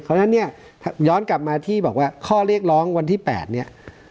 เพราะฉะนั้นเนี่ยย้อนกลับมาที่บอกว่าข้อเรียกร้องวันที่๘เนี่ย